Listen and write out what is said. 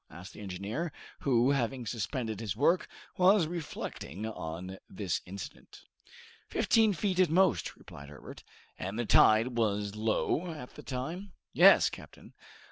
asked the engineer, who, having suspended his work, was reflecting on this incident. "Fifteen feet at the most," replied Herbert. "And the tide was low at the time?" "Yes, captain."